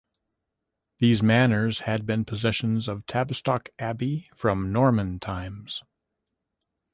These manors had been possessions of Tavistock Abbey from Norman times.